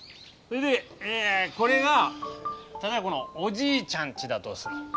それでこれが例えばこのおじいちゃんちだとする。